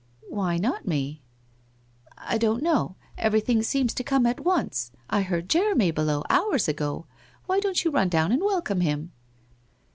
' Why not me ?'* I don't know. Everything seems to come at once. I heard Jeremy below! Hours ago. Why don't you run down and welcome him